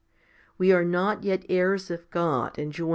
20 We are not yet heirs of God and joint 1 Ps.